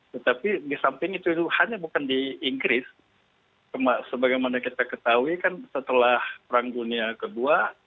tetapi di samping itu hanya bukan di inggris sebagaimana kita ketahui kan setelah perang dunia ii